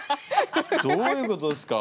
どういうことですか？